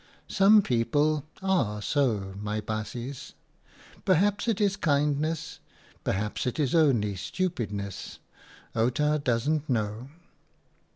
Some people are so, my baasjes. P'raps its kindness, p'raps it's only stupidness ; Outa doesn't know.